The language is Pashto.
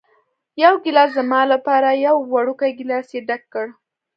یو ګېلاس زما لپاره، یو وړوکی ګېلاس یې ډک کړ.